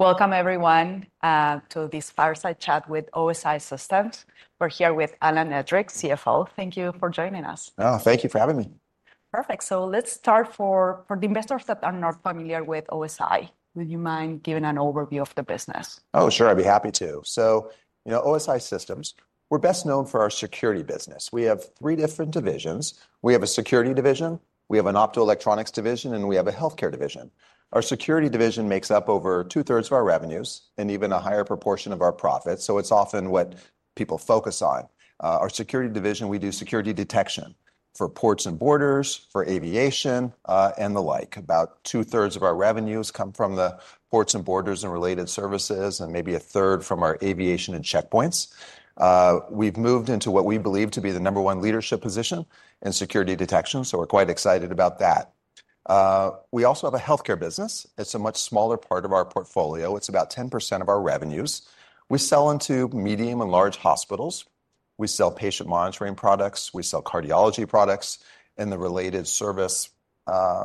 Welcome, everyone, to this fireside chat with OSI Systems. We're here with Alan Edrick, CFO. Thank you for joining us. Oh, thank you for having me. Perfect. Let's start for the investors that are not familiar with OSI. Would you mind giving an overview of the business? Oh, sure. I'd be happy to. So, you know, OSI Systems, we're best known for our security business. We have three different divisions. We have a security division, we have an optoelectronics division, and we have a healthcare division. Our security division makes up over two-thirds of our revenues and even a higher proportion of our profits, so it's often what people focus on. Our security division, we do security detection for ports and borders, for aviation, and the like. About two-thirds of our revenues come from the ports and borders and related services, and maybe a third from our aviation and checkpoints. We've moved into what we believe to be the number one leadership position in security detection, so we're quite excited about that. We also have a healthcare business. It's a much smaller part of our portfolio. It's about 10% of our revenues. We sell into medium and large hospitals. We sell patient monitoring products, we sell cardiology products, and the related service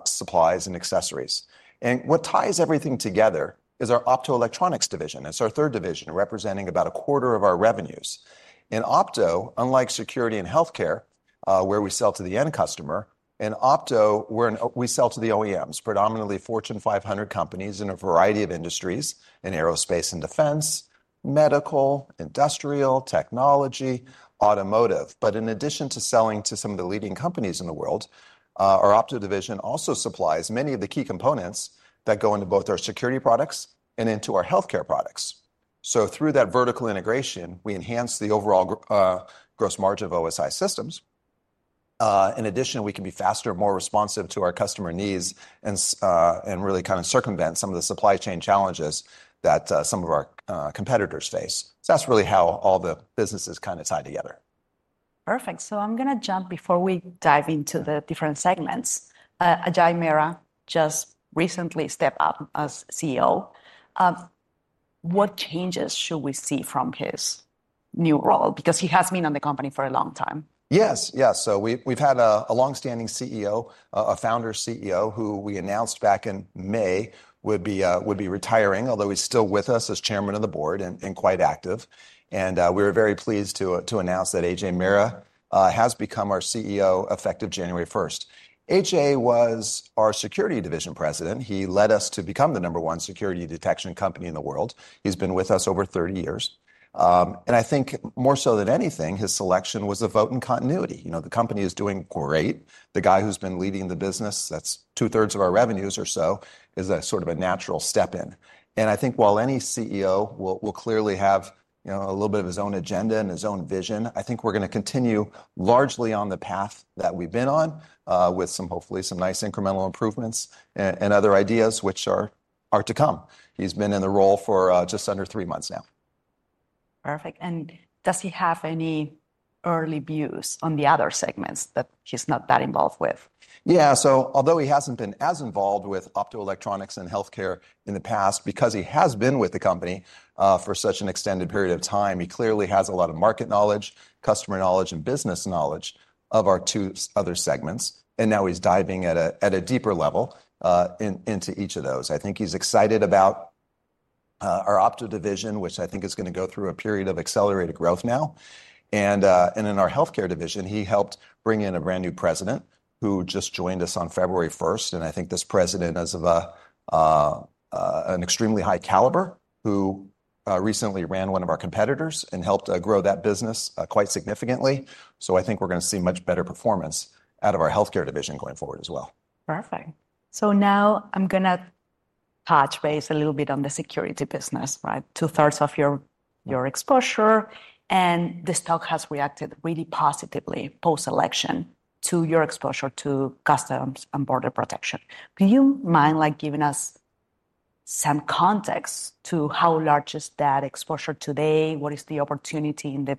supplies and accessories. What ties everything together is our optoelectronics division. It's our third division, representing about a quarter of our revenues. In opto, unlike security and healthcare, where we sell to the end customer, in opto, we sell to the OEMs, predominantly Fortune 500 companies in a variety of industries in aerospace and defense, medical, industrial, technology, automotive. In addition to selling to some of the leading companies in the world, our opto division also supplies many of the key components that go into both our security products and into our healthcare products. Through that vertical integration, we enhance the overall gross margin of OSI Systems. In addition, we can be faster, more responsive to our customer needs, and really kind of circumvent some of the supply chain challenges that some of our competitors face. That is really how all the businesses kind of tie together. Perfect. I'm going to jump before we dive into the different segments. Ajay Mehra just recently stepped up as CEO. What changes should we see from his new role? Because he has been on the company for a long time. Yes, yes. We have had a longstanding CEO, a founder CEO, who we announced back in May would be retiring, although he is still with us as Chairman of the Board and quite active. We are very pleased to announce that Ajay Mehra has become our CEO effective January 1. Ajay was our Security division president. He led us to become the number one security detection company in the world. He has been with us over 30 years. I think more so than anything, his selection was a vote in continuity. You know, the company is doing great. The guy who has been leading the business, that is two-thirds of our revenues or so, is a sort of a natural step in. I think while any CEO will clearly have a little bit of his own agenda and his own vision, I think we're going to continue largely on the path that we've been on, with some, hopefully, some nice incremental improvements and other ideas which are to come. He's been in the role for just under three months now. Perfect. Does he have any early views on the other segments that he's not that involved with? Yeah. Although he hasn't been as involved with optoelectronics and healthcare in the past, because he has been with the company for such an extended period of time, he clearly has a lot of market knowledge, customer knowledge, and business knowledge of our two other segments. Now he's diving at a deeper level into each of those. I think he's excited about our opto division, which I think is going to go through a period of accelerated growth now. In our healthcare division, he helped bring in a brand new president who just joined us on February 1st. I think this president is of an extremely high caliber, who recently ran one of our competitors and helped grow that business quite significantly. I think we're going to see much better performance out of our healthcare division going forward as well. Perfect. Now I'm going to touch base a little bit on the security business, right? Two-thirds of your exposure. The stock has reacted really positively post-election to your exposure to Customs and Border Protection. Do you mind giving us some context to how large is that exposure today? What is the opportunity in the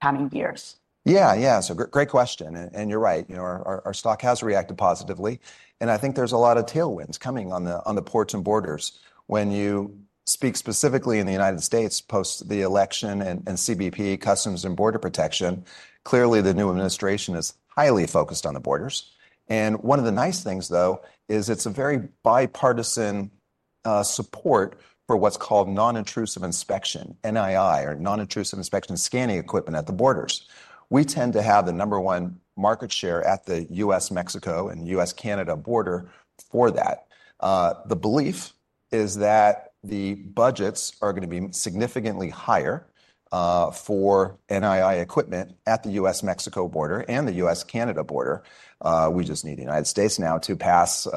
coming years? Yeah, yeah. Great question. You're right. You know, our stock has reacted positively. I think there's a lot of tailwinds coming on the ports and borders. When you speak specifically in the United States post the election and CBP, Customs and Border Protection, clearly the new administration is highly focused on the borders. One of the nice things, though, is it's a very bipartisan support for what's called non-intrusive inspection, NII, or non-intrusive inspection scanning equipment at the borders. We tend to have the number one market share at the US-Mexico and US-Canada border for that. The belief is that the budgets are going to be significantly higher for NII equipment at the US-Mexico border and the US-Canada border. We just need the United States now to pass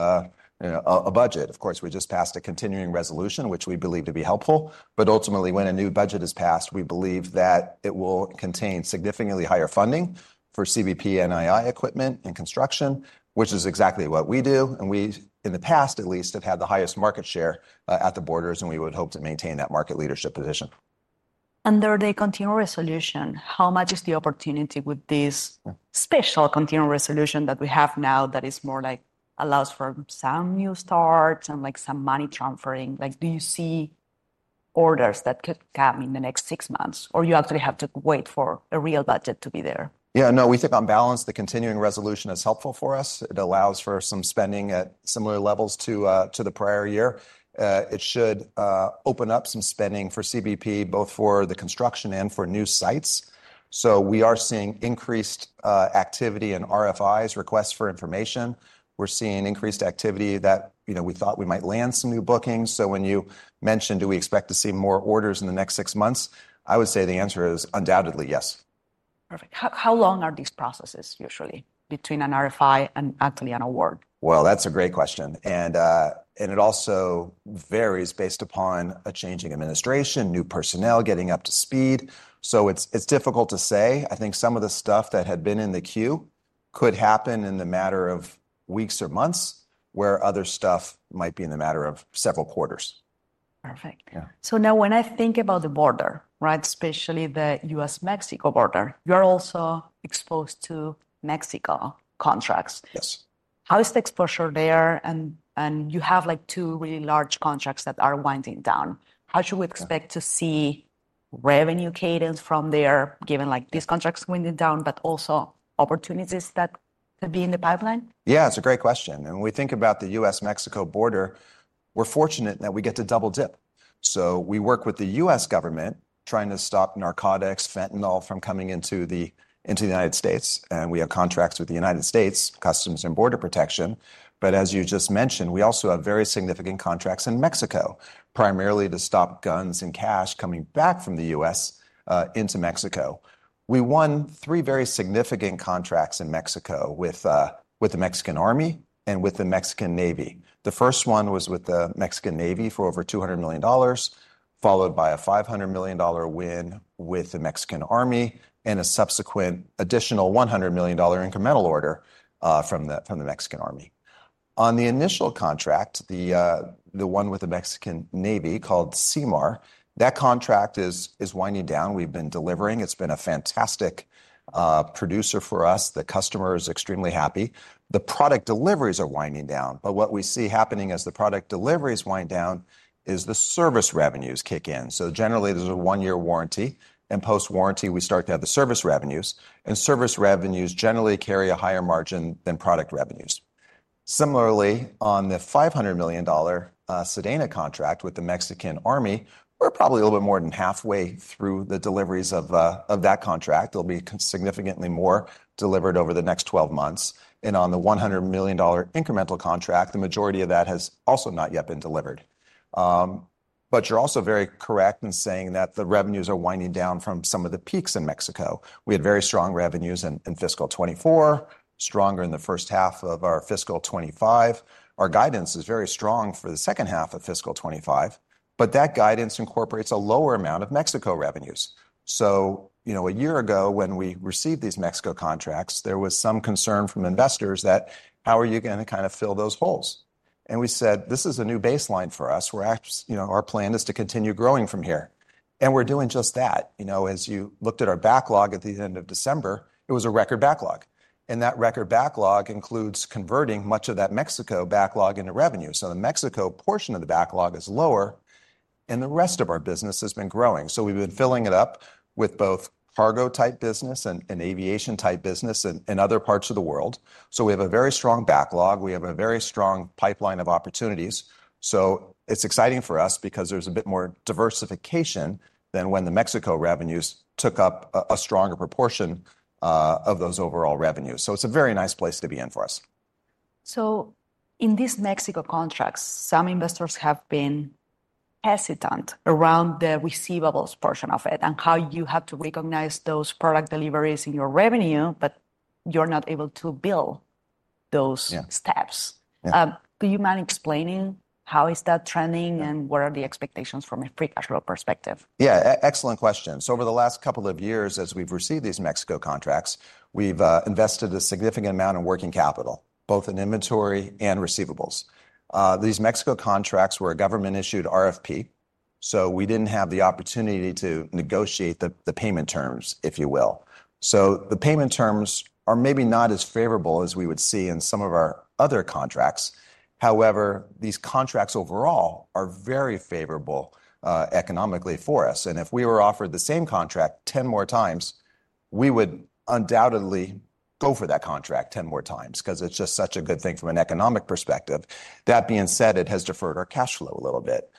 a budget. Of course, we just passed a continuing resolution, which we believe to be helpful. Ultimately, when a new budget is passed, we believe that it will contain significantly higher funding for CBP NII equipment and construction, which is exactly what we do. We, in the past at least, have had the highest market share at the borders, and we would hope to maintain that market leadership position. Under the continuing resolution, how much is the opportunity with this special continuing resolution that we have now that is more like allows for some new starts and like some money transferring? Like, do you see orders that could come in the next six months, or you actually have to wait for a real budget to be there? Yeah, no, we think on balance, the continuing resolution is helpful for us. It allows for some spending at similar levels to the prior year. It should open up some spending for CBP, both for the construction and for new sites. We are seeing increased activity in RFIs, requests for information. We're seeing increased activity that, you know, we thought we might land some new bookings. When you mentioned, do we expect to see more orders in the next six months, I would say the answer is undoubtedly yes. Perfect. How long are these processes usually between an RFI and actually an award? That is a great question. It also varies based upon a changing administration, new personnel getting up to speed. It is difficult to say. I think some of the stuff that had been in the queue could happen in the matter of weeks or months, where other stuff might be in the matter of several quarters. Perfect. Now when I think about the border, right, especially the U.S.-Mexico border, you're also exposed to Mexico contracts. Yes. How is the exposure there? You have like two really large contracts that are winding down. How should we expect to see revenue cadence from there, given like these contracts winding down, but also opportunities that could be in the pipeline? Yeah, it's a great question. When we think about the U.S.-Mexico border, we're fortunate that we get to double dip. We work with the U.S. government trying to stop narcotics, fentanyl from coming into the United States. We have contracts with the United States, Customs and Border Protection. As you just mentioned, we also have very significant contracts in Mexico, primarily to stop guns and cash coming back from the U.S. into Mexico. We won three very significant contracts in Mexico with the Mexican Army and with the Mexican Navy. The first one was with the Mexican Navy for over $200 million, followed by a $500 million win with the Mexican Army and a subsequent additional $100 million incremental order from the Mexican Army. On the initial contract, the one with the Mexican Navy called SEMAR, that contract is winding down. We've been delivering. It's been a fantastic producer for us. The customer is extremely happy. The product deliveries are winding down. What we see happening as the product deliveries wind down is the service revenues kick in. Generally, there's a one-year warranty. Post-warranty, we start to have the service revenues. Service revenues generally carry a higher margin than product revenues. Similarly, on the $500 million SEDENA contract with the Mexican Army, we're probably a little bit more than halfway through the deliveries of that contract. There will be significantly more delivered over the next 12 months. On the $100 million incremental contract, the majority of that has also not yet been delivered. You're also very correct in saying that the revenues are winding down from some of the peaks in Mexico. We had very strong revenues in fiscal 2024, stronger in the first half of our fiscal 2025. Our guidance is very strong for the second half of fiscal 2025, but that guidance incorporates a lower amount of Mexico revenues. You know, a year ago when we received these Mexico contracts, there was some concern from investors that, how are you going to kind of fill those holes? We said, this is a new baseline for us. Our plan is to continue growing from here. We are doing just that. You know, as you looked at our backlog at the end of December, it was a record backlog. That record backlog includes converting much of that Mexico backlog into revenue. The Mexico portion of the backlog is lower, and the rest of our business has been growing. We have been filling it up with both cargo-type business and aviation-type business in other parts of the world. We have a very strong backlog. We have a very strong pipeline of opportunities. It is exciting for us because there is a bit more diversification than when the Mexico revenues took up a stronger proportion of those overall revenues. It is a very nice place to be in for us. In these Mexico contracts, some investors have been hesitant around the receivables portion of it and how you have to recognize those product deliveries in your revenue, but you're not able to bill those steps. Do you mind explaining how is that trending and what are the expectations from a free cash flow perspective? Yeah, excellent question. Over the last couple of years, as we've received these Mexico contracts, we've invested a significant amount of working capital, both in inventory and receivables. These Mexico contracts were a government-issued RFP, so we didn't have the opportunity to negotiate the payment terms, if you will. The payment terms are maybe not as favorable as we would see in some of our other contracts. However, these contracts overall are very favorable economically for us. If we were offered the same contract 10 more times, we would undoubtedly go for that contract 10 more times because it's just such a good thing from an economic perspective. That being said, it has deferred our cash flow a little bit.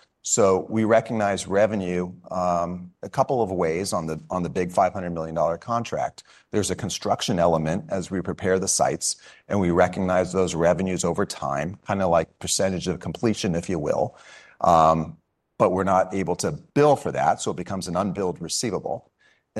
We recognize revenue a couple of ways on the big $500 million contract. There's a construction element as we prepare the sites, and we recognize those revenues over time, kind of like percentage of completion, if you will. We're not able to bill for that, so it becomes an unbilled receivable.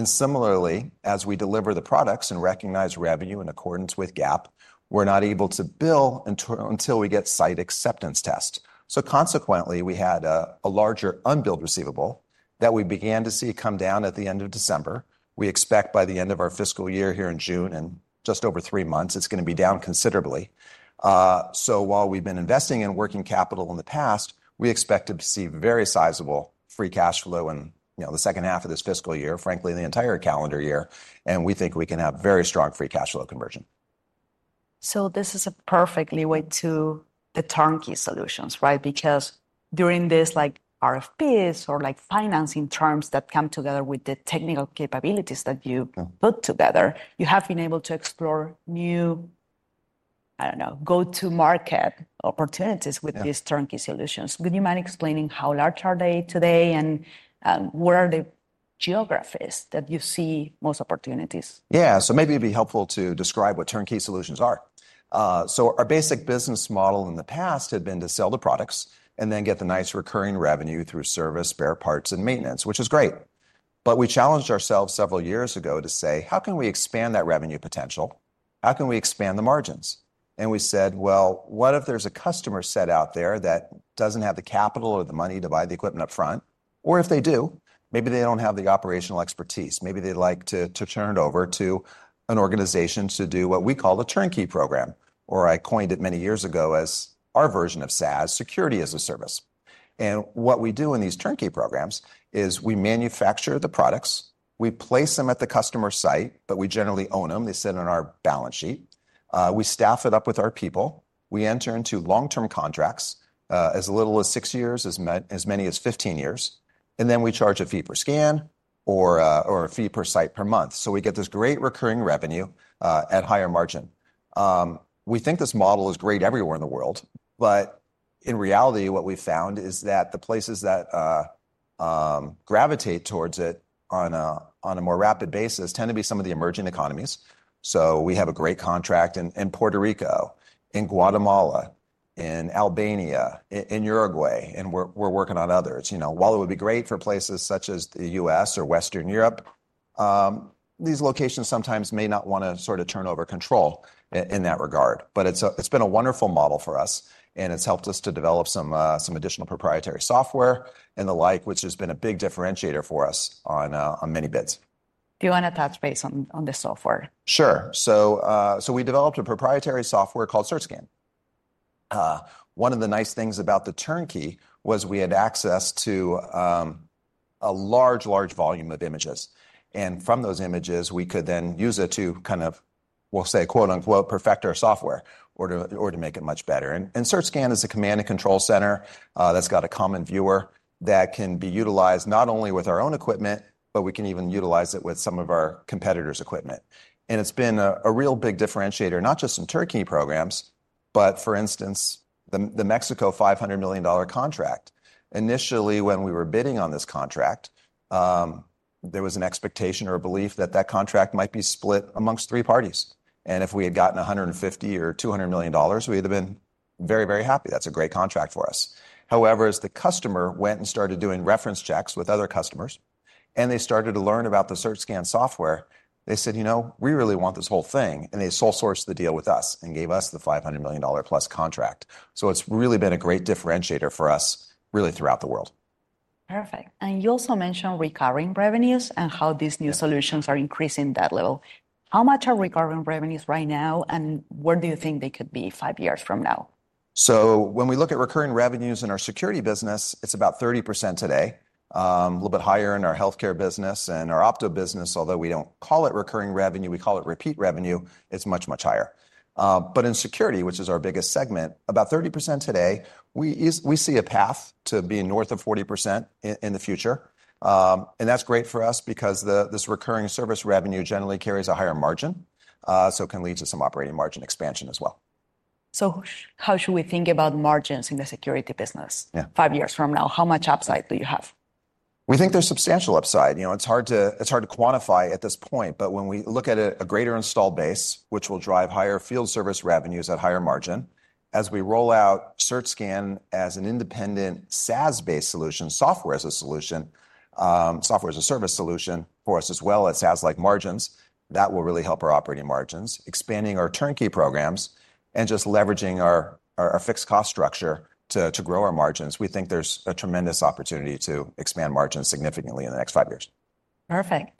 Similarly, as we deliver the products and recognize revenue in accordance with GAAP, we're not able to bill until we get site acceptance tests. Consequently, we had a larger unbilled receivable that we began to see come down at the end of December. We expect by the end of our fiscal year here in June and just over three months, it's going to be down considerably. While we've been investing in working capital in the past, we expect to see very sizable free cash flow in the second half of this fiscal year, frankly, the entire calendar year. We think we can have very strong free cash flow conversion. This is a perfectly way to the turnkey solutions, right? Because during this, like RFPs or like financing terms that come together with the technical capabilities that you put together, you have been able to explore new, I don't know, go-to-market opportunities with these turnkey solutions. Would you mind explaining how large are they today and what are the geographies that you see most opportunities? Yeah, maybe it'd be helpful to describe what turnkey solutions are. Our basic business model in the past had been to sell the products and then get the nice recurring revenue through service, spare parts, and maintenance, which is great. We challenged ourselves several years ago to say, how can we expand that revenue potential? How can we expand the margins? We said, what if there's a customer set out there that doesn't have the capital or the money to buy the equipment upfront? Or if they do, maybe they don't have the operational expertise. Maybe they'd like to turn it over to an organization to do what we call the turnkey program, or I coined it many years ago as our version of SaaS, security as a service. What we do in these turnkey programs is we manufacture the products. We place them at the customer site, but we generally own them. They sit on our balance sheet. We staff it up with our people. We enter into long-term contracts as little as six years, as many as 15 years. We charge a fee per scan or a fee per site per month. We get this great recurring revenue at higher margin. We think this model is great everywhere in the world, but in reality, what we've found is that the places that gravitate towards it on a more rapid basis tend to be some of the emerging economies. We have a great contract in Puerto Rico, in Guatemala, in Albania, in Uruguay, and we're working on others. You know, while it would be great for places such as the U.S. or Western Europe, these locations sometimes may not want to sort of turn over control in that regard. It has been a wonderful model for us, and it has helped us to develop some additional proprietary software and the like, which has been a big differentiator for us on many bids. Do you want to touch base on the software? Sure. We developed a proprietary software called CertScan. One of the nice things about the turnkey was we had access to a large, large volume of images. From those images, we could then use it to, kind of, we'll say, quote unquote, perfect our software or to make it much better. CertScan is a command and control center that's got a common viewer that can be utilized not only with our own equipment, but we can even utilize it with some of our competitors' equipment. It's been a real big differentiator, not just in turnkey programs, but for instance, the Mexico $500 million contract. Initially, when we were bidding on this contract, there was an expectation or a belief that that contract might be split amongst three parties. If we had gotten $150 or $200 million, we'd have been very, very happy. That's a great contract for us. However, as the customer went and started doing reference checks with other customers and they started to learn about the Search Scan software, they said, you know, we really want this whole thing. They sole sourced the deal with us and gave us the $500 million-plus contract. It has really been a great differentiator for us really throughout the world. Perfect. You also mentioned recurring revenues and how these new solutions are increasing that level. How much are recurring revenues right now, and where do you think they could be five years from now? When we look at recurring revenues in our security business, it's about 30% today. A little bit higher in our healthcare business and our opto business, although we don't call it recurring revenue, we call it repeat revenue. It's much, much higher. In security, which is our biggest segment, about 30% today, we see a path to being north of 40% in the future. That's great for us because this recurring service revenue generally carries a higher margin, so it can lead to some operating margin expansion as well. How should we think about margins in the security business five years from now? How much upside do you have? We think there's substantial upside. You know, it's hard to quantify at this point, but when we look at a greater install base, which will drive higher field service revenues at higher margin, as we roll out Search Scan as an independent SaaS-based solution, software as a solution, software as a service solution for us as well as SaaS-like margins, that will really help our operating margins, expanding our turnkey programs and just leveraging our fixed cost structure to grow our margins. We think there's a tremendous opportunity to expand margins significantly in the next five years. Perfect.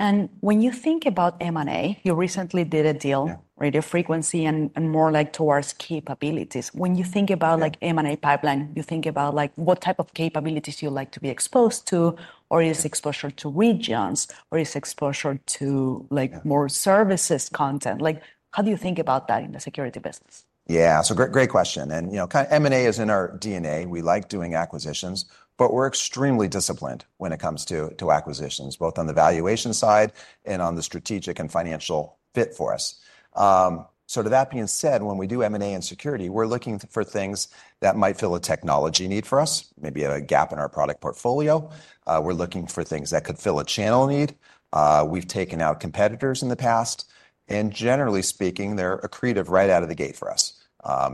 When you think about M&A, you recently did a deal, radio frequency and more like towards capabilities. When you think about like M&A pipeline, you think about like what type of capabilities you like to be exposed to, or is exposure to regions, or is exposure to like more services content? How do you think about that in the security business? Yeah, great question. You know, kind of M&A is in our DNA. We like doing acquisitions, but we're extremely disciplined when it comes to acquisitions, both on the valuation side and on the strategic and financial fit for us. That being said, when we do M&A in security, we're looking for things that might fill a technology need for us, maybe a gap in our product portfolio. We're looking for things that could fill a channel need. We've taken out competitors in the past. Generally speaking, they're accretive right out of the gate for us.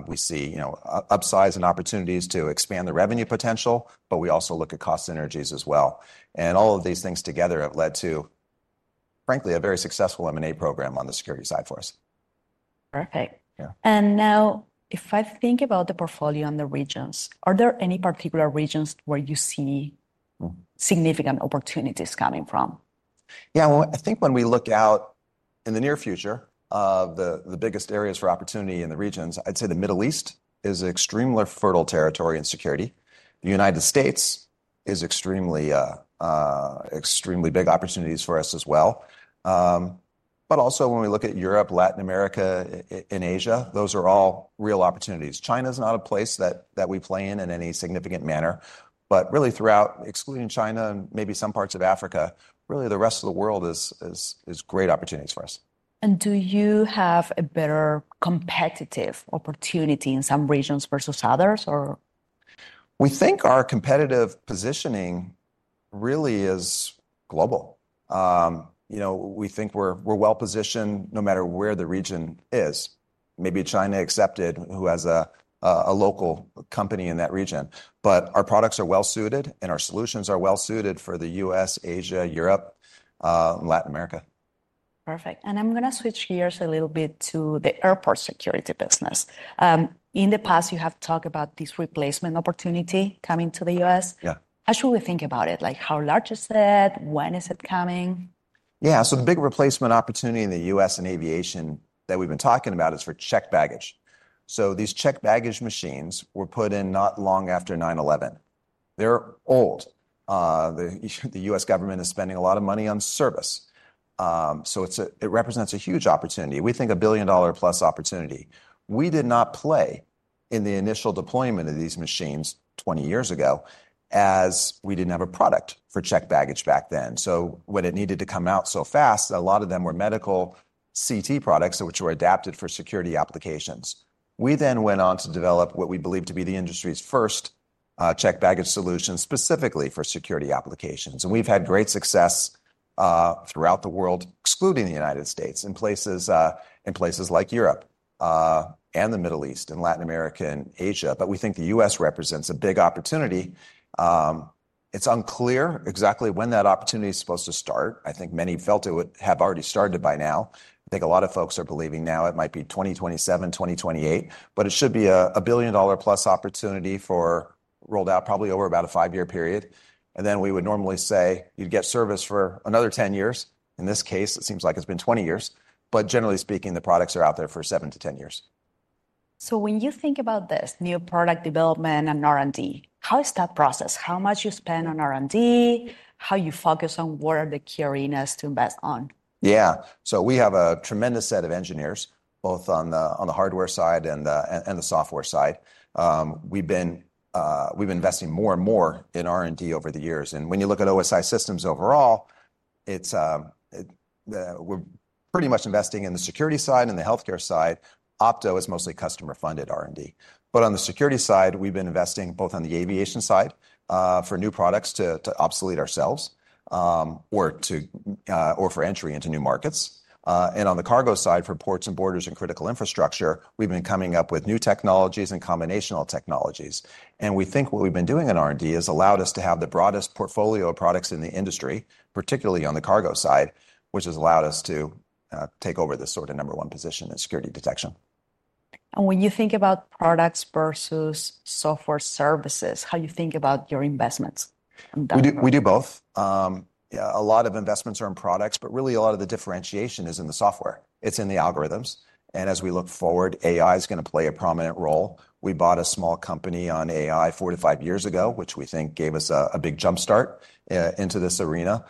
We see upsides and opportunities to expand the revenue potential, but we also look at cost synergies as well. All of these things together have led to, frankly, a very successful M&A program on the security side for us. Perfect. If I think about the portfolio and the regions, are there any particular regions where you see significant opportunities coming from? Yeah, I think when we look out in the near future, the biggest areas for opportunity in the regions, I'd say the Middle East is an extremely fertile territory in security. The United States is extremely big opportunities for us as well. Also when we look at Europe, Latin America, and Asia, those are all real opportunities. China is not a place that we play in in any significant manner. Really throughout, excluding China and maybe some parts of Africa, really the rest of the world is great opportunities for us. Do you have a better competitive opportunity in some regions versus others? We think our competitive positioning really is global. You know, we think we're well positioned no matter where the region is. Maybe China excepted, who has a local company in that region, but our products are well suited and our solutions are well suited for the U.S., Asia, Europe, and Latin America. Perfect. I'm going to switch gears a little bit to the airport security business. In the past, you have talked about this replacement opportunity coming to the U.S. How should we think about it? Like how large is it? When is it coming? Yeah, the big replacement opportunity in the U.S. and aviation that we've been talking about is for checked baggage. These checked baggage machines were put in not long after 9/11. They're old. The U.S. government is spending a lot of money on service. It represents a huge opportunity. We think a billion dollar plus opportunity. We did not play in the initial deployment of these machines 20 years ago as we didn't have a product for checked baggage back then. When it needed to come out so fast, a lot of them were medical CT products, which were adapted for security applications. We then went on to develop what we believe to be the industry's first checked baggage solution specifically for security applications. We have had great success throughout the world, excluding the U.S., in places like Europe, the Middle East, Latin America, and Asia. We think the U.S. represents a big opportunity. It is unclear exactly when that opportunity is supposed to start. I think many felt it would have already started by now. I think a lot of folks are believing now it might be 2027, 2028, but it should be a billion dollar plus opportunity rolled out probably over about a five-year period. We would normally say you would get service for another 10 years. In this case, it seems like it has been 20 years. Generally speaking, the products are out there for 7 to 10 years. When you think about this new product development and R&D, how is that process? How much you spend on R&D? How you focus on what are the key arenas to invest on? Yeah, we have a tremendous set of engineers, both on the hardware side and the software side. We've been investing more and more in R&D over the years. When you look at OSI Systems overall, we're pretty much investing in the security side and the healthcare side. OPTO is mostly customer-funded R&D. On the security side, we've been investing both on the aviation side for new products to obsolete ourselves or for entry into new markets. On the cargo side for ports and borders and critical infrastructure, we've been coming up with new technologies and combinational technologies. We think what we've been doing in R&D has allowed us to have the broadest portfolio of products in the industry, particularly on the cargo side, which has allowed us to take over this sort of number one position in security detection. When you think about products versus software services, how do you think about your investments? We do both. Yeah, a lot of investments are in products, but really a lot of the differentiation is in the software. It is in the algorithms. As we look forward, AI is going to play a prominent role. We bought a small company on AI four to five years ago, which we think gave us a big jumpstart into this arena.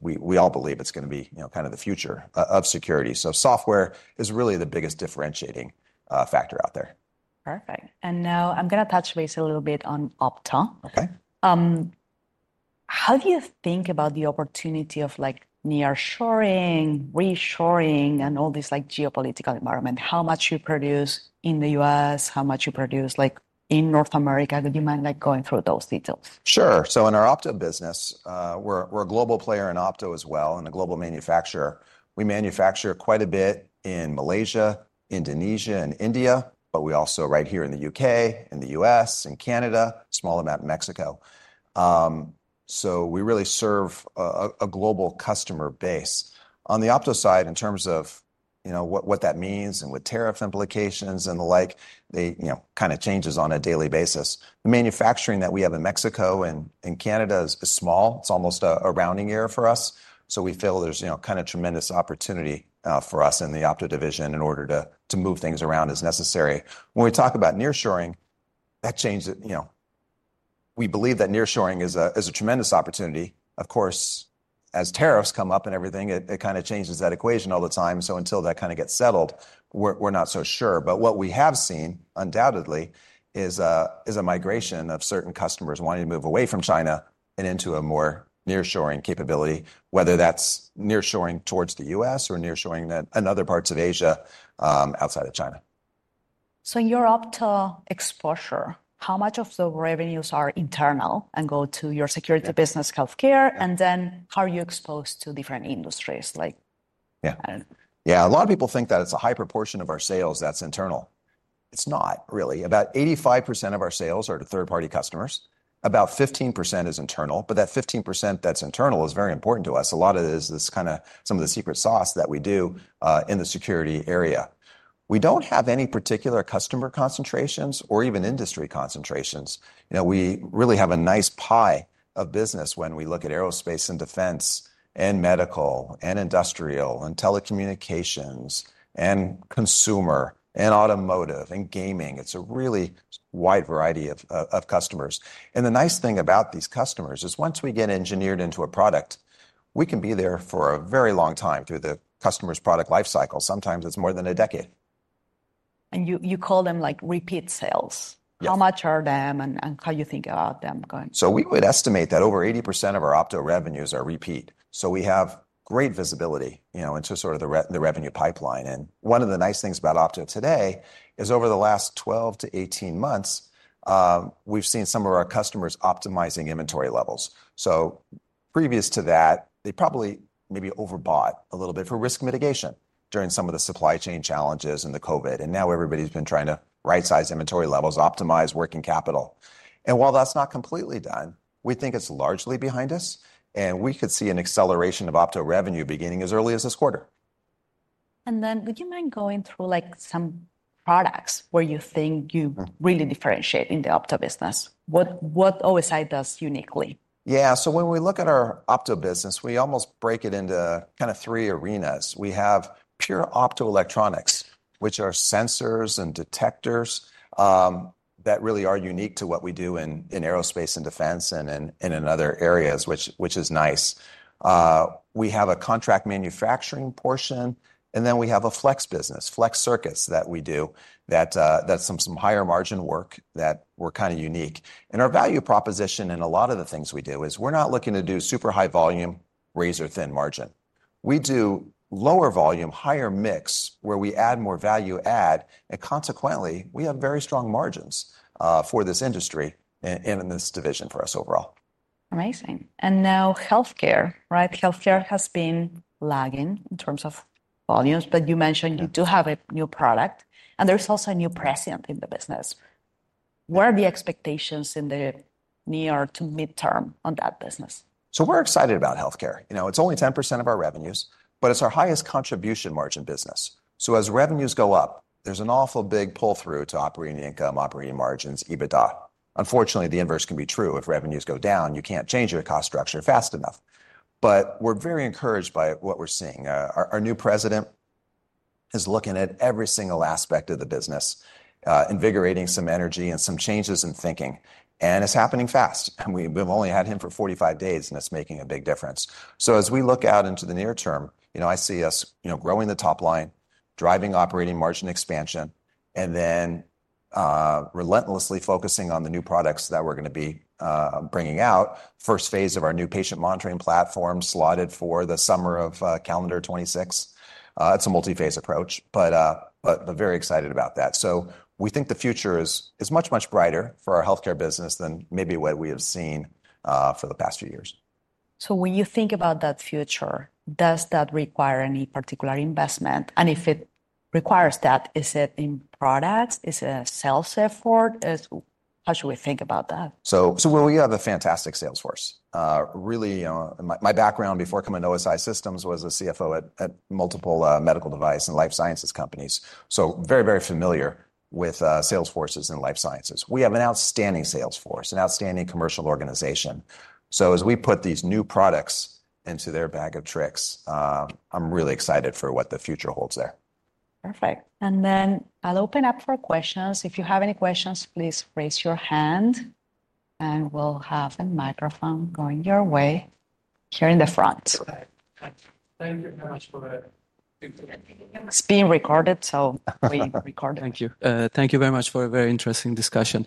We all believe it is going to be kind of the future of security. Software is really the biggest differentiating factor out there. Perfect. I am going to touch base a little bit on OPTO. How do you think about the opportunity of nearshoring, reshoring, and all this geopolitical environment? How much do you produce in the U.S.? How much do you produce in North America? Would you mind going through those details? Sure. In our OPTO business, we're a global player in OPTO as well and a global manufacturer. We manufacture quite a bit in Malaysia, Indonesia, and India, but we also manufacture right here in the U.K., in the U.S., in Canada, and a small amount in Mexico. We really serve a global customer base. On the OPTO side, in terms of what that means and what tariff implications and the like, it kind of changes on a daily basis. The manufacturing that we have in Mexico and Canada is small. It's almost a rounding error for us. We feel there's kind of tremendous opportunity for us in the OPTO division in order to move things around as necessary. When we talk about nearshoring, that changes. We believe that nearshoring is a tremendous opportunity. Of course, as tariffs come up and everything, it kind of changes that equation all the time. Until that kind of gets settled, we're not so sure. What we have seen, undoubtedly, is a migration of certain customers wanting to move away from China and into a more nearshoring capability, whether that's nearshoring towards the US or nearshoring in other parts of Asia outside of China. In your OPTO exposure, how much of the revenues are internal and go to your security business, healthcare, and then how are you exposed to different industries? Yeah, a lot of people think that it's a high proportion of our sales that's internal. It's not really. About 85% of our sales are to third-party customers. About 15% is internal. That 15% that's internal is very important to us. A lot of it is kind of some of the secret sauce that we do in the security area. We don't have any particular customer concentrations or even industry concentrations. We really have a nice pie of business when we look at aerospace and defense and medical and industrial and telecommunications and consumer and automotive and gaming. It's a really wide variety of customers. The nice thing about these customers is once we get engineered into a product, we can be there for a very long time through the customer's product lifecycle. Sometimes it's more than a decade. You call them like repeat sales. How much are them and how do you think about them going forward? We would estimate that over 80% of our OPTO revenues are repeat. We have great visibility into sort of the revenue pipeline. One of the nice things about OPTO today is over the last 12 to 18 months, we've seen some of our customers optimizing inventory levels. Previous to that, they probably maybe overbought a little bit for risk mitigation during some of the supply chain challenges and the COVID. Now everybody's been trying to right-size inventory levels, optimize working capital. While that's not completely done, we think it's largely behind us. We could see an acceleration of OPTO revenue beginning as early as this quarter. Would you mind going through some products where you think you really differentiate in the OPTO business? What OSI does uniquely? Yeah, so when we look at our OPTO business, we almost break it into kind of three arenas. We have pure optoelectronics, which are sensors and detectors that really are unique to what we do in aerospace and defense and in other areas, which is nice. We have a contract manufacturing portion, and then we have a flex business, flex circuits that we do. That's some higher margin work that we're kind of unique. And our value proposition in a lot of the things we do is we're not looking to do super high volume, razor thin margin. We do lower volume, higher mix where we add more value add, and consequently, we have very strong margins for this industry and in this division for us overall. Amazing. Now healthcare, right? Healthcare has been lagging in terms of volumes, but you mentioned you do have a new product and there's also a new president in the business. What are the expectations in the near to midterm on that business? We're excited about healthcare. It's only 10% of our revenues, but it's our highest contribution margin business. As revenues go up, there's an awful big pull-through to operating income, operating margins, EBITDA. Unfortunately, the inverse can be true. If revenues go down, you can't change your cost structure fast enough. We're very encouraged by what we're seeing. Our new President is looking at every single aspect of the business, invigorating some energy and some changes in thinking. It's happening fast. We've only had him for 45 days, and it's making a big difference. As we look out into the near term, I see us growing the top line, driving operating margin expansion, and then relentlessly focusing on the new products that we're going to be bringing out. First phase of our new patient monitoring platform slotted for the summer of calendar 2026. It's a multi-phase approach, but very excited about that. We think the future is much, much brighter for our healthcare business than maybe what we have seen for the past few years. When you think about that future, does that require any particular investment? And if it requires that, is it in products? Is it a sales effort? How should we think about that? We have a fantastic sales force. Really, my background before coming to OSI Systems was a CFO at multiple medical device and life sciences companies. So very, very familiar with sales forces and life sciences. We have an outstanding sales force, an outstanding commercial organization. As we put these new products into their bag of tricks, I'm really excited for what the future holds there. Perfect. I will open up for questions. If you have any questions, please raise your hand and we will have a microphone going your way here in the front. Thank you very much for the. It's being recorded, so we record it. Thank you. Thank you very much for a very interesting discussion.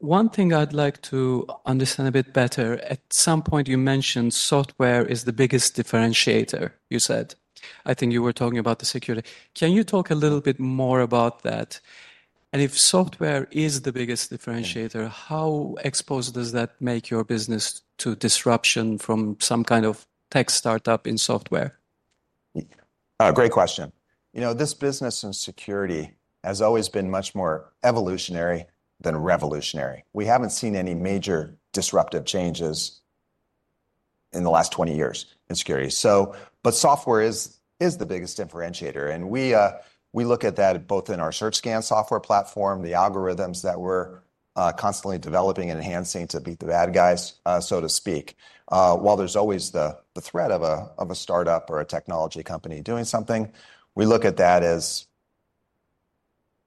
One thing I'd like to understand a bit better, at some point you mentioned software is the biggest differentiator, you said. I think you were talking about the security. Can you talk a little bit more about that? If software is the biggest differentiator, how exposed does that make your business to disruption from some kind of tech startup in software? Great question. This business in security has always been much more evolutionary than revolutionary. We have not seen any major disruptive changes in the last 20 years in security. Software is the biggest differentiator. We look at that both in our Search Scan software platform, the algorithms that we are constantly developing and enhancing to beat the bad guys, so to speak. While there is always the threat of a startup or a technology company doing something, we look at that as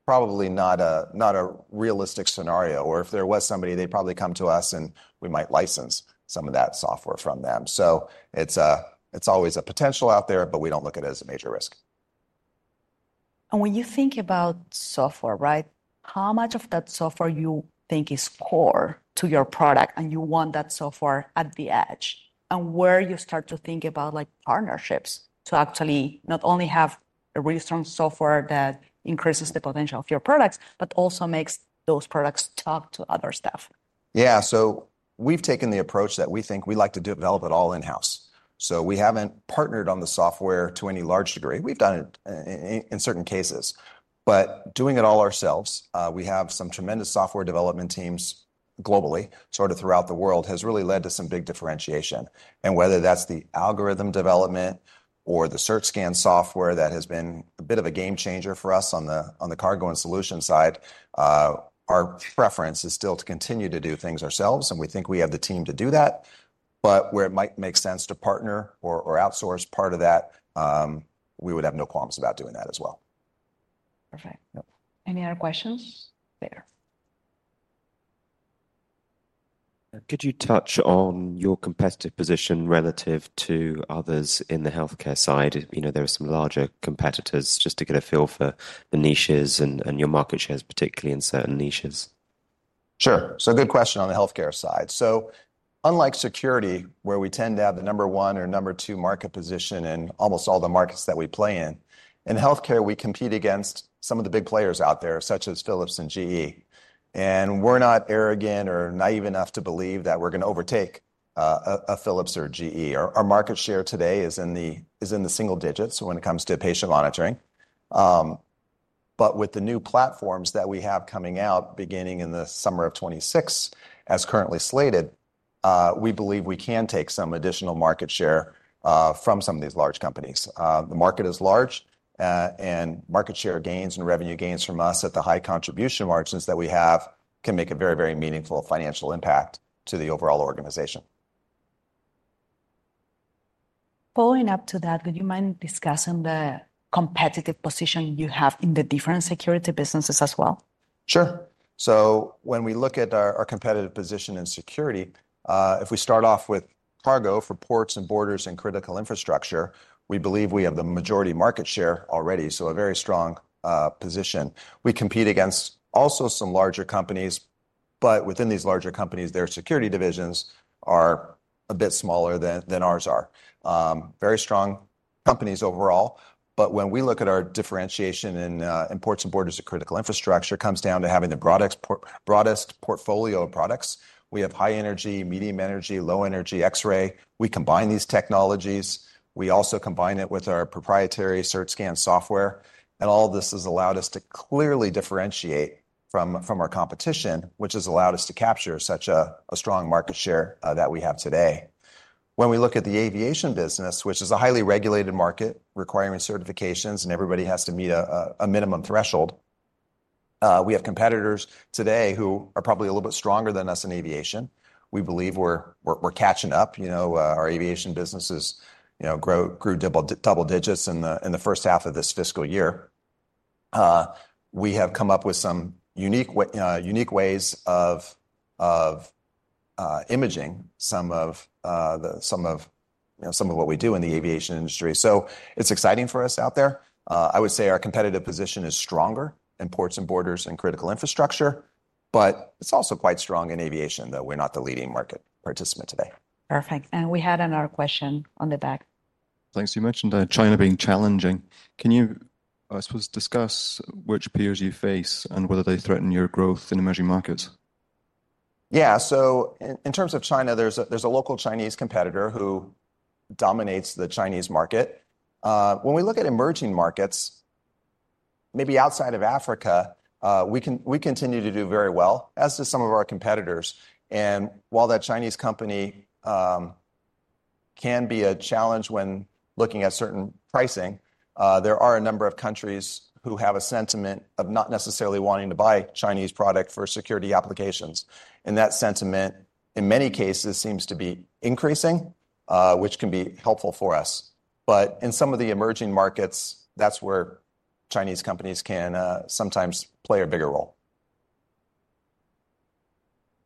probably not a realistic scenario. If there was somebody, they would probably come to us and we might license some of that software from them. It is always a potential out there, but we do not look at it as a major risk. When you think about software, right, how much of that software you think is core to your product and you want that software at the edge? Where you start to think about partnerships to actually not only have a really strong software that increases the potential of your products, but also makes those products talk to other stuff? Yeah, so we've taken the approach that we think we like to develop it all in-house. We haven't partnered on the software to any large degree. We've done it in certain cases. Doing it all ourselves, we have some tremendous software development teams globally, sort of throughout the world, has really led to some big differentiation. Whether that's the algorithm development or the Search Scan software that has been a bit of a game changer for us on the cargo and solution side, our preference is still to continue to do things ourselves. We think we have the team to do that. Where it might make sense to partner or outsource part of that, we would have no qualms about doing that as well. Perfect. Any other questions there? Could you touch on your competitive position relative to others in the healthcare side? There are some larger competitors just to get a feel for the niches and your market shares, particularly in certain niches. Sure. Good question on the healthcare side. Unlike security, where we tend to have the number one or number two market position in almost all the markets that we play in, in healthcare, we compete against some of the big players out there, such as Philips and GE. We are not arrogant or naive enough to believe that we are going to overtake a Philips or GE. Our market share today is in the single digits when it comes to patient monitoring. With the new platforms that we have coming out beginning in the summer of 2026, as currently slated, we believe we can take some additional market share from some of these large companies. The market is large, and market share gains and revenue gains from us at the high contribution margins that we have can make a very, very meaningful financial impact to the overall organization. Following up to that, would you mind discussing the competitive position you have in the different security businesses as well? Sure. When we look at our competitive position in security, if we start off with cargo for ports and borders and critical infrastructure, we believe we have the majority market share already, so a very strong position. We compete against also some larger companies, but within these larger companies, their security divisions are a bit smaller than ours are. Very strong companies overall. When we look at our differentiation in ports and borders and critical infrastructure, it comes down to having the broadest portfolio of products. We have high energy, medium energy, low energy, X-ray. We combine these technologies. We also combine it with our proprietary Search Scan software. All of this has allowed us to clearly differentiate from our competition, which has allowed us to capture such a strong market share that we have today. When we look at the aviation business, which is a highly regulated market requiring certifications and everybody has to meet a minimum threshold, we have competitors today who are probably a little bit stronger than us in aviation. We believe we're catching up. Our aviation businesses grew double digits in the first half of this fiscal year. We have come up with some unique ways of imaging some of what we do in the aviation industry. It is exciting for us out there. I would say our competitive position is stronger in ports and borders and critical infrastructure, but it is also quite strong in aviation, though we're not the leading market participant today. Perfect. We had another question on the back. Thanks. You mentioned China being challenging. Can you, I suppose, discuss which peers you face and whether they threaten your growth in emerging markets? Yeah. In terms of China, there's a local Chinese competitor who dominates the Chinese market. When we look at emerging markets, maybe outside of Africa, we continue to do very well, as do some of our competitors. While that Chinese company can be a challenge when looking at certain pricing, there are a number of countries who have a sentiment of not necessarily wanting to buy Chinese product for security applications. That sentiment, in many cases, seems to be increasing, which can be helpful for us. In some of the emerging markets, that's where Chinese companies can sometimes play a bigger role.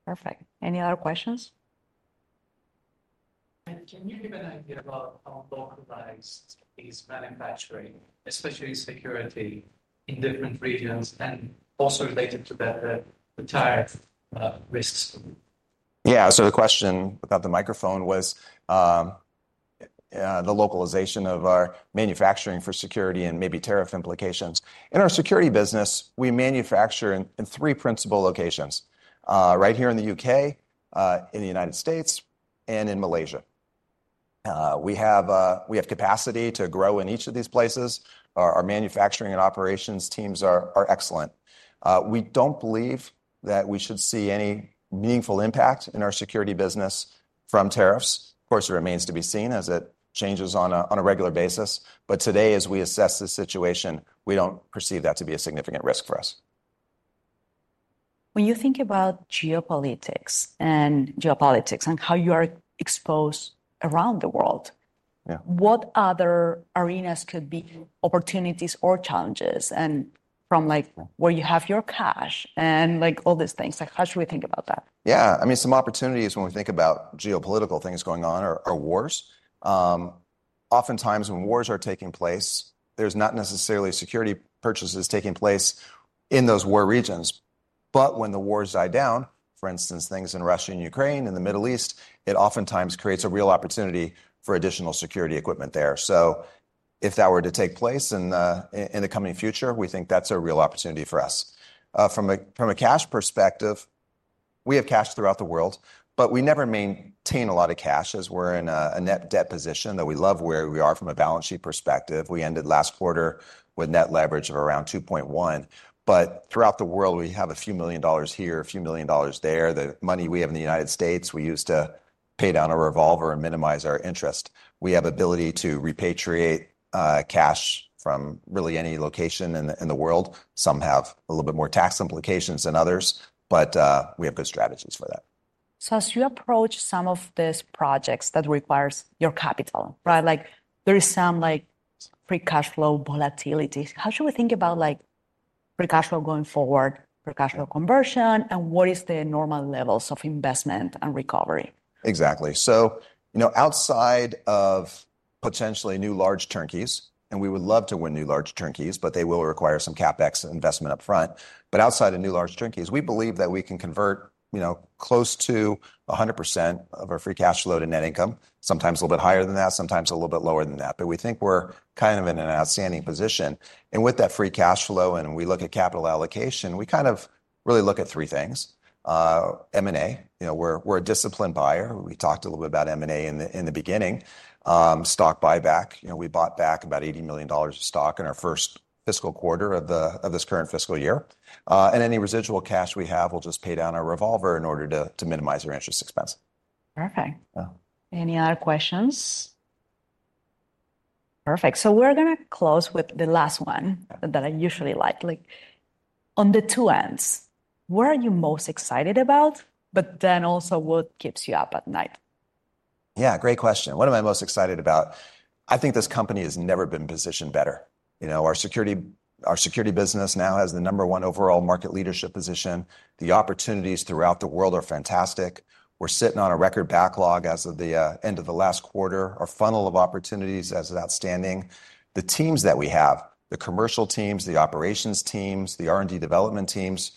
Perfect. Any other questions? Can you give an idea about how localized is manufacturing, especially security, in different regions and also related to the tariff risks? Yeah. The question about the microphone was the localization of our manufacturing for security and maybe tariff implications. In our security business, we manufacture in three principal locations: right here in the U.K., in the United States, and in Malaysia. We have capacity to grow in each of these places. Our manufacturing and operations teams are excellent. We do not believe that we should see any meaningful impact in our security business from tariffs. Of course, it remains to be seen as it changes on a regular basis. Today, as we assess the situation, we do not perceive that to be a significant risk for us. When you think about geopolitics and how you are exposed around the world, what other arenas could be opportunities or challenges? From where you have your cash and all these things, how should we think about that? Yeah. I mean, some opportunities when we think about geopolitical things going on are wars. Oftentimes, when wars are taking place, there's not necessarily security purchases taking place in those war regions. When the wars die down, for instance, things in Russia and Ukraine, in the Middle East, it oftentimes creates a real opportunity for additional security equipment there. If that were to take place in the coming future, we think that's a real opportunity for us. From a cash perspective, we have cash throughout the world, but we never maintain a lot of cash as we're in a net debt position that we love where we are from a balance sheet perspective. We ended last quarter with net leverage of around 2.1. Throughout the world, we have a few million dollars here, a few million dollars there. The money we have in the United States, we use to pay down a revolver and minimize our interest. We have the ability to repatriate cash from really any location in the world. Some have a little bit more tax implications than others, but we have good strategies for that. As you approach some of these projects that require your capital, right? There is some free cash flow volatility. How should we think about free cash flow going forward, free cash flow conversion, and what is the normal levels of investment and recovery? Exactly. Outside of potentially new large turnkeys, and we would love to win new large turnkeys, they will require some CapEx investment upfront. Outside of new large turnkeys, we believe that we can convert close to 100% of our free cash flow to net income, sometimes a little bit higher than that, sometimes a little bit lower than that. We think we are kind of in an outstanding position. With that free cash flow, and we look at capital allocation, we kind of really look at three things: M&A. We are a disciplined buyer. We talked a little bit about M&A in the beginning. Stock buyback. We bought back about $80 million of stock in our first fiscal quarter of this current fiscal year. Any residual cash we have will just pay down our revolver in order to minimize our interest expense. Perfect. Any other questions? Perfect. We are going to close with the last one that I usually like. On the two ends, what are you most excited about, but then also what keeps you up at night? Yeah, great question. What am I most excited about? I think this company has never been positioned better. Our security business now has the number one overall market leadership position. The opportunities throughout the world are fantastic. We're sitting on a record backlog as of the end of the last quarter. Our funnel of opportunities is outstanding. The teams that we have, the commercial teams, the operations teams, the R&D development teams,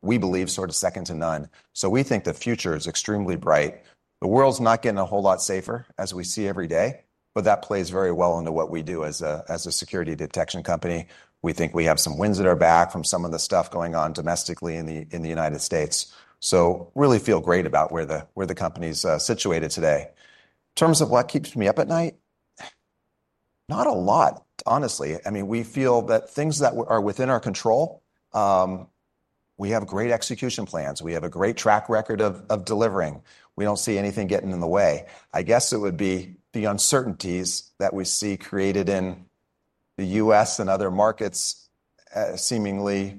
we believe sort of second to none. We think the future is extremely bright. The world's not getting a whole lot safer, as we see every day, but that plays very well into what we do as a security detection company. We think we have some wins at our back from some of the stuff going on domestically in the United States. Really feel great about where the company's situated today. In terms of what keeps me up at night, not a lot, honestly. I mean, we feel that things that are within our control, we have great execution plans. We have a great track record of delivering. We do not see anything getting in the way. I guess it would be the uncertainties that we see created in the U.S. and other markets seemingly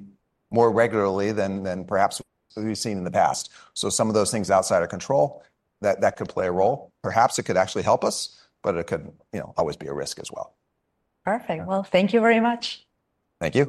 more regularly than perhaps we have seen in the past. Some of those things outside of control, that could play a role. Perhaps it could actually help us, but it could always be a risk as well. Perfect. Thank you very much. Thank you.